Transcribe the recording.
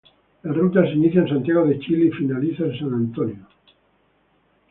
La Ruta se inicia en Santiago de Chile y finaliza en San Antonio.